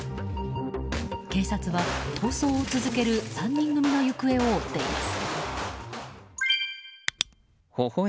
警察は、逃走を続ける３人組の行方を追っています。